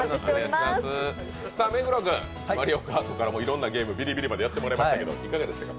目黒君、マリオカートからいろんなゲーム、ビリビリまでやってもらいましたけど、いかがでしたか？